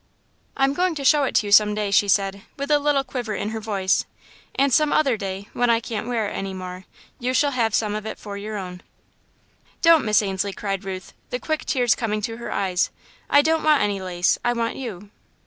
"I'm going to show it to you some day," she said, with a little quiver in her voice, "and some other day, when I can't wear it any more, you shall have some of it for your own." "Don't, Miss Ainslie," cried Ruth, the quick tears coming to her eyes, "I don't want any lace I want you!"